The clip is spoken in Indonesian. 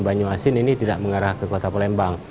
banyu asin ini tidak mengarah ke kota palembang